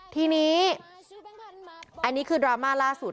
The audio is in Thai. ทีนี้อันนี้คือดราม่าล่าสุด